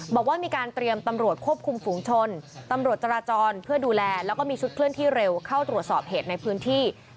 บอกว่ามีการเตรียมตำรวจควบคุมฝุงชนตำรวจจราจรเพื่อดูแลแล้วก็มีชุดเคลื่อนที่เร็วเข้าตรวจสอบเหตุในพื้นที่